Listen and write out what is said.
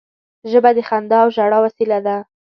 ژبه د خندا او ژړا وسیله ده